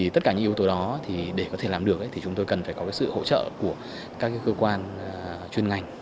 tất cả những yếu tố đó để có thể làm được thì chúng tôi cần phải có sự hỗ trợ của các cơ quan chuyên ngành